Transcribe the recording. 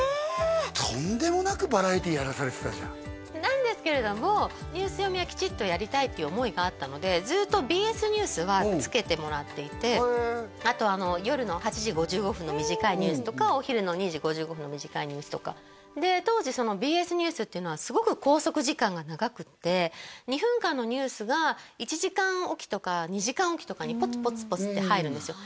とんでもなくバラエティやらされてたじゃんなんですけれどもニュース読みはきちっとやりたいっていう思いがあったのでずっとＢＳニュースはつけてもらっていてあと夜の８時５５分の短いニュースとかお昼の２時５５分の短いニュースとかで当時そのＢＳニュースっていうのはすごく拘束時間が長くって２分間のニュースが１時間おきとか２時間おきとかにポツポツポツって入るんですよ